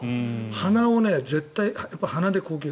鼻を絶対鼻で呼吸。